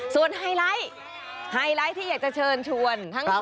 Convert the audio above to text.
ส่วนไฮไลท์ไฮไลท์ที่อยากจะเชิญชวน